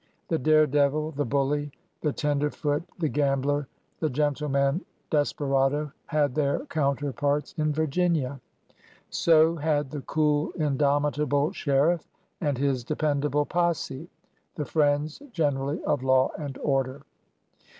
The dare devil, the bully, the tenderfoot, the gambler, the gentleman desperado had their counterparts in Virginia. So had the cool, indomitable sheriff and his dependable posse, the friends generally of law and order.